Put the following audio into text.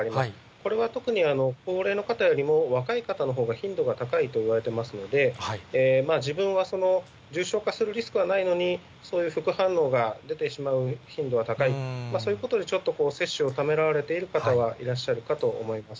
これは特に高齢の方よりも若い方のほうが頻度が高いといわれていますので、自分は重症化するリスクはないのに、そういう副反応が出てしまう頻度が高い、そういうことでちょっと、接種をためらわれている方はいらっしゃるかと思います。